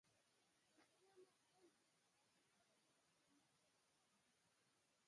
Ensenya'm el que conté la llista de roba que em vull comprar.